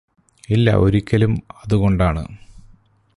ഇല്ല ഒരിക്കലും അതുകൊണ്ടാണ്